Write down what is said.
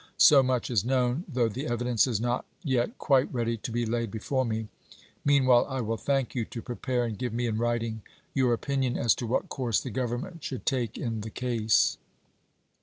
So much is known, though the evidence is not yet quite ready to be laid before me. Meanwhile I will thank you to prepare, and give me in writing, your opinion as to what course the Grovernment should take in the Lincoln to the Cabinet, May 3, 1864. MS. V case.